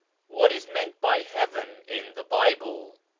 "What is meant by 'Heaven' in the Bible?"